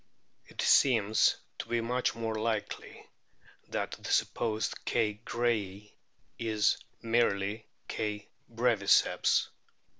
It seems to be much more likely that the supposed K. grayi is merely K. breviceps.